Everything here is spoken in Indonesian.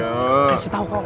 kasih tau kok